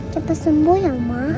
cepet sembuh ya oma